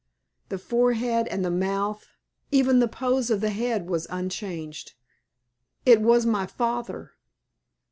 The forehead and the mouth, even the pose of the head was unchanged. It was my father.